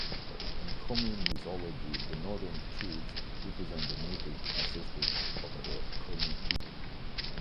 In Komi mythology, the Northern Chudes represent the mythic ancestors of the Komi people.